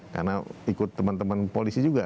karena ikut teman teman polisi juga